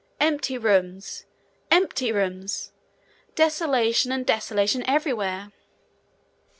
Empty rooms, empty rooms! desertion and desolation everywhere.